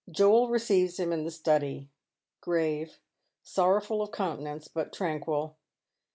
Joel receives him in the study, gi'ave, sorrowful of countenance, but tranquil.